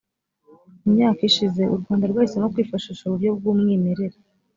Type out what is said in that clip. mu myaka ishize u rwanda rwahisemo kwifashisha uburyo bw umwimerere